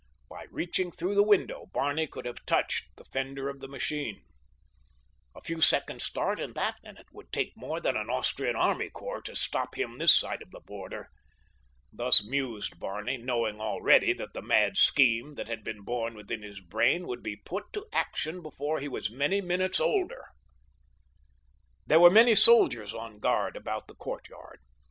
By reaching through the window Barney could have touched the fender of the machine. A few seconds' start in that and it would take more than an Austrian army corps to stop him this side of the border. Thus mused Barney, knowing already that the mad scheme that had been born within his brain would be put to action before he was many minutes older. There were many soldiers on guard about the courtyard.